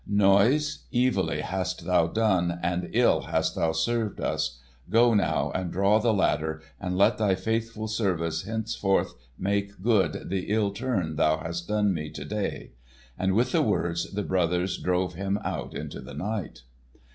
Noise, evilly hast thou done, and ill hast thou served us. Go now and draw the ladder, and let thy faithful service henceforth make good the ill turn thou hast done me to day." And with the words the brothers drove him out into the night.